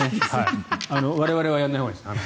我々はやらないほうがいいです。